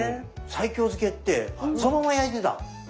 西京漬けってそのまま焼いてた。